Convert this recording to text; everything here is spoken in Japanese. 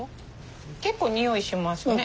結構匂いしますね。